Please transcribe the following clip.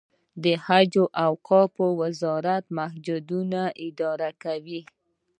د حج او اوقافو وزارت جوماتونه اداره کوي